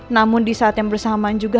namun disaat yang bersamaan juga